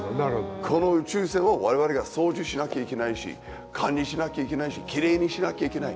この宇宙船を我々が操縦しなきゃいけないし管理しなきゃいけないしきれいにしなきゃいけない。